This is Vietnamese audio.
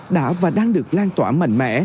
đã và đang được lan tỏa